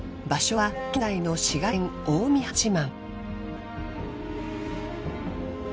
場所は現在の滋賀県近江八幡。